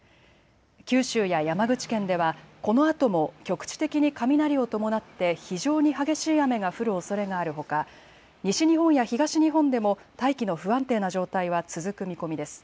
九州や山口県ではこのあとも局地的に雷を伴って非常に激しい雨が降るおそれがあるほか、西日本や東日本でも大気の不安定な状態は続く見込みです。